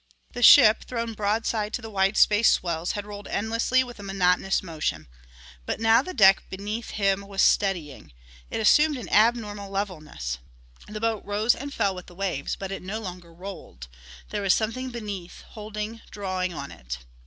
The ship, thrown broadside to the wide spaced swells, had rolled endlessly with a monotonous motion. But now the deck beneath him was steadying. It assumed an abnormal levelness. The boat rose and fell with the waves, but it no longer rolled. There was something beneath holding, drawing on it.